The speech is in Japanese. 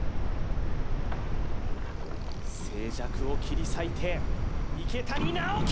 静寂を切り裂いて池谷直樹！